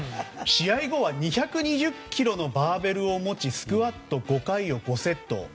試合後は、２２０ｋｇのバーベルを持ちスクワット５回を５セット。